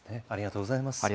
ありがとうございます。